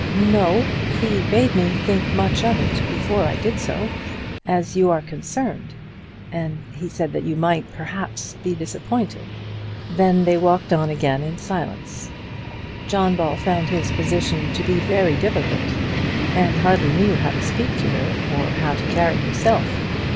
"No; he bade me think much of it before I did so, as you are concerned. And he said that you might perhaps be disappointed." Then they walked on again in silence. John Ball found his position to be very difficult, and hardly knew how to speak to her, or how to carry himself.